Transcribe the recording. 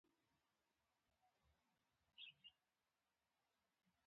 کوم ځای کې یې زده کړې کړي؟